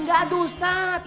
nggak aduh sat